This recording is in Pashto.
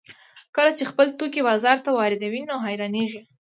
کله چې خپل توکي بازار ته واردوي نو حیرانېږي